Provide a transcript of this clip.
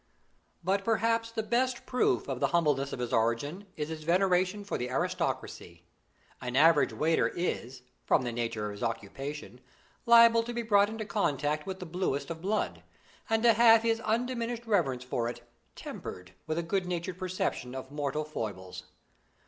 But perhaps the best proof of the humbleness of his origin is his veneration for the aristocracy. An average waiter is, from the nature of his occupation, liable to be brought into contact with the bluest of blood, and to have his undiminished reverence for it tempered with a good natured perception of mortal foibles.